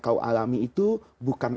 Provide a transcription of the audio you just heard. kamu alami itu bukan